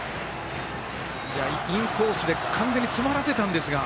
インコースで完全に詰まらせたんですが。